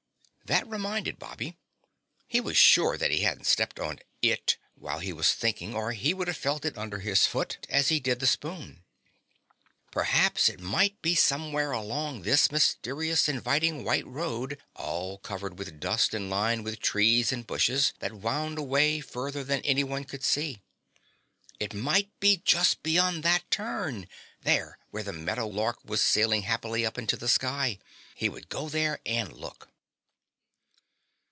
That reminded Bobby; he was sure that he hadn't stepped on It while he wasn't thinking or he would have felt it under his foot as he did the spoon. Perhaps it might be somewhere along this mysterious, inviting white road, all covered with dust and lined with trees and bushes, that wound away further than anyone could see. It might be just beyond that turn; there where the meadow lark went sailing happily up into the sky. He would go there and look.